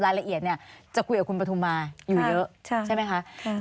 รายละเอียดเนี่ยจะคุยกับคุณปฐุมาอยู่เยอะใช่ไหมคะ